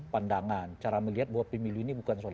pandangan cara melihat pemilih ini bukan soal